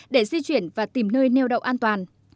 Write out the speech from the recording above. để di chuyển và tìm nơi neo đậu an toàn